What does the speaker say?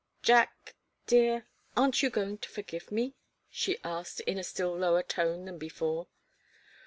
"Jack dear aren't you going to forgive me?" she asked, in a still lower tone than before.